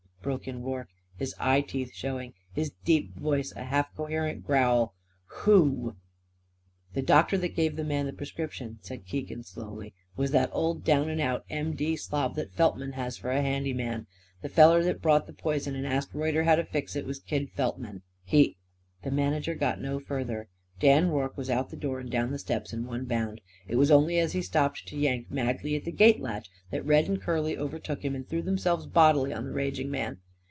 broke in Rorke, his eyeteeth showing, his deep voice a half coherent growl. "Who " "The doctor that gave the man the p'scription," said Keegan slowly, "was that old down and out M. D. slob that Feltman has for a handy man. The feller that bought the poison and asked Reuter how to fix it was Kid Feltman. He " The manager got no further. Dan Rorke was out of the door and down the steps at one bound. It was only as he stopped to yank madly at the gate latch that Red and Curly overtook him and threw themselves bodily on the raging man.